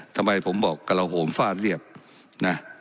ทำไมผมบอกกระโหมฟาดเรียบนะ